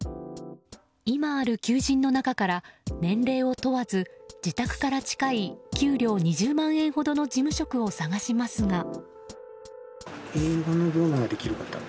今ある求人の中から年齢を問わず自宅から近い給料２０万円ほどの事務職を探しますが。